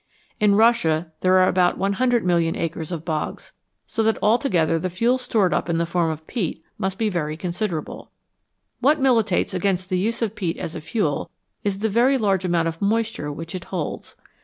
In Russia there are about 100,000,000 acres of bogs, so that altogether the fuel stored up in the form of peat must be very considerable. What militates against the use of peat as a fuel is the very large amount of moisture which it holds.